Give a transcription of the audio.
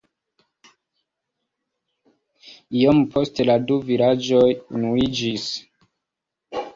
Iom poste la du vilaĝoj unuiĝis.